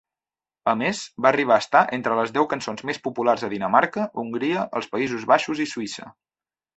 A més, va arribar a estar entre les deu cançons més populars a Dinamarca, Hongria, els Països Baixos i Suïssa.